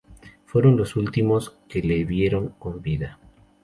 Fueron los últimos que le vieron con vida.